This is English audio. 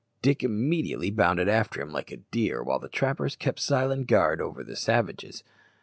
Dick immediately bounded after him like a deer, while the trappers kept silent guard over the savages.